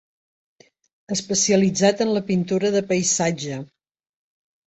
Especialitzat en la pintura de paisatge.